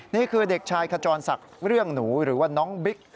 นี่คือเด็กชายขจรศักดิ์เรื่องหนูหรือว่าน้องบิ๊ก